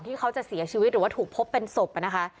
ที่เขาจะเสียชีวิตหรือว่าถูกพบเป็นศพนะคะ